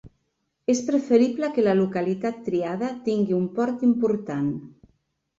És preferible que la localitat triada tingui un port important.